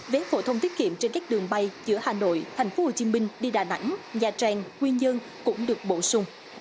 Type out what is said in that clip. vé phổ thông tiết kiệm trên các đường bay giữa hà nội thành phố hồ chí minh đi đà nẵng nha trang nguyên dương cũng được bổ sung